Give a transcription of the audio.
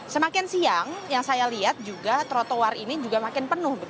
semakin siang yang saya lihat juga trotoar ini juga makin penuh